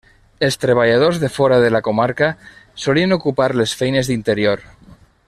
Els treballadors de fora de la comarca solien ocupar les feines d'interior.